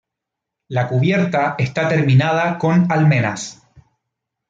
La cubierta está terminada con almenas.